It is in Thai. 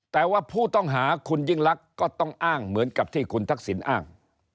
แต่ว่าผู้ต้องหาคุณยิ่งลักษณ์ก็ต้องอ้างเหมือนกับที่คุณทักษิณอ้าง